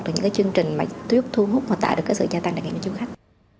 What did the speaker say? và những cái chương trình mà thu hút và tạo được cái sự gia tăng đại nghiệp cho du khách